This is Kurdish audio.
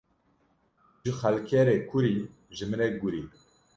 Tu ji xelkê re kur î, ji min re gur î.